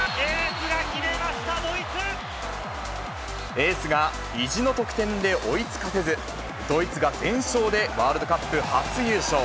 エースが意地の得点で追いつかせず、ドイツが全勝でワールドカップ初優勝。